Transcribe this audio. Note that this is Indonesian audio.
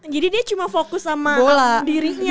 jadi dia cuma fokus sama dirinya ya